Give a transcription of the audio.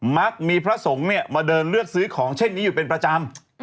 มักมีพระสงฆ์เนี่ยมาเดินเลือกซื้อของเช่นนี้อยู่เป็นประจำ